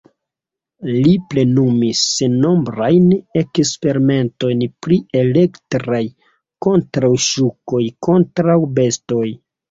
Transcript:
Li plenumis sennombrajn eksperimentojn pri elektraj kontraŭŝokoj kontraŭ bestoj.